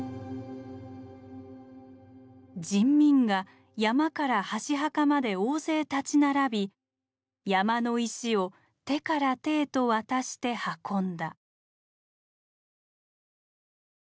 「人民が山から箸墓まで大勢立ち並び山の石を手から手へと渡して運んだ」。